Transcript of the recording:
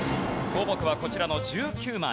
項目はこちらの１９枚。